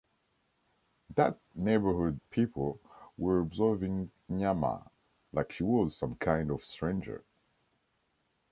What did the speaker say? That neighborhood people were observing Nyamaa, like she was some kind of stranger.